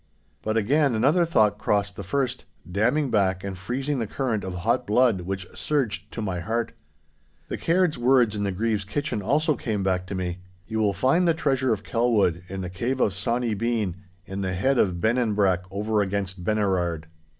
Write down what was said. But again another thought crossed the first, damming back and freezing the current of hot blood which surged to my heart. The caird's words in the Grieve's kitchen also came back to me, 'You will find the Treasure of Kelwood in the cave of Sawny Bean in the head of Bennanbrack over against Benerard.